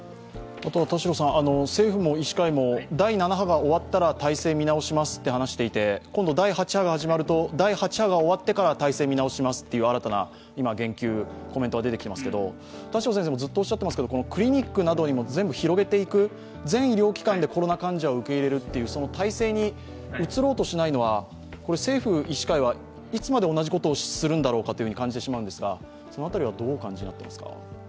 政府も医師会も第７波が終わったら体制を見直しますと言っていて今度第８波が終わってから体制を見直しますという新たな言及、コメントが出てきていますけれども、田代先生も、クリニックなどにも全部広げていく、全医療機関でコロナ患者を受け入れるという体制に移ろうとしないのは政府、医師会はいつまで同じことをするんだろうかと感じてしまうんですが、その辺りはどうお感じになってますか？